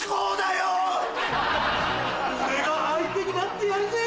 ・俺が相手になってやるぜ！